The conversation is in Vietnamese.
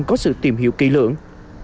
các du khách cần có sự tìm hiểu kỳ lượng